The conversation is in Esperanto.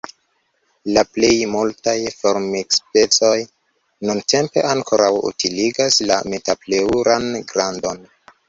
La plej multaj formikspecoj nuntempe ankoraŭ utiligas la metapleŭran glandon.